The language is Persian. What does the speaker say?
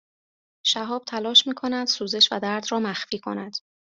شهاب تلاش می کند سوزش و درد را مخفی کند